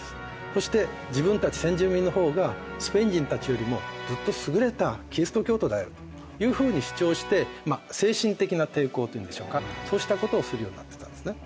そして自分たち先住民の方がスペイン人たちよりもずっと優れたキリスト教徒だよというふうに主張して精神的な抵抗というんでしょうかそうしたことをするようになっていったんですね。